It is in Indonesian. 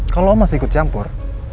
kalau masih ikut campur